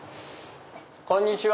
こんにちは！